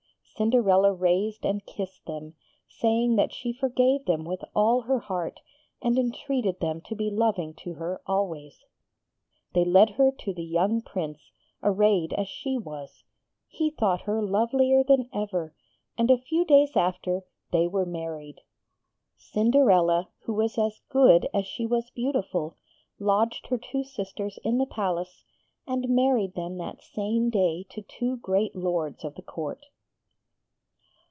Cinderella raised and kissed them, saying that she forgave them with all her heart, and entreated them to be loving to her always. They led her to the young Prince, arrayed as she was. He thought her lovelier than ever, and, a few days after, they were married. Cinderella, who was as good as she was beautiful, lodged her two sisters in the palace, and married them that same day to two great Lords of the Court.